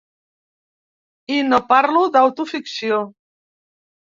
I no parlo d’autoficció.